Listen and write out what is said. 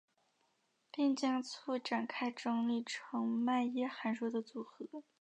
并将簇展开整理成迈耶函数的组合。